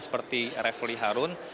seperti refli harun